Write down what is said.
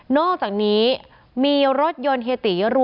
นอกจากนี้รถรถใหม่